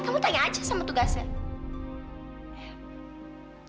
kamu tanya aja sama tugasnya